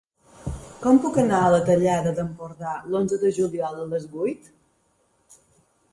Com puc anar a la Tallada d'Empordà l'onze de juliol a les vuit?